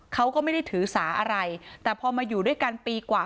เขาก็ไม่ได้ถือสาอะไรแต่พอมาอยู่ด้วยกันปีกว่า